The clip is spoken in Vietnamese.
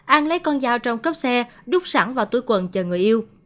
an lấy con dao trong cốc xe đúc sẵn vào túi quần chờ người yêu